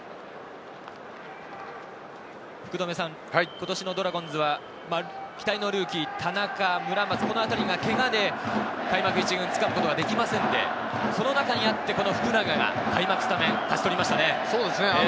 今年のドラゴンズは、期待のルーキー田中、村松あたりが、けがで開幕１軍をつかむことができませんで、その中にあって福永が開幕スタメンを勝ち取りましたね。